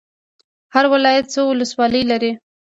هر ولایت څو ولسوالۍ لري؟